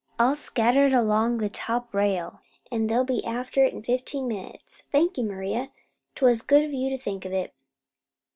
"I'll scatter it along the top rail, an' they'll be after it in fifteen minutes. Thank you, Maria. 'T was good o' you to think of it."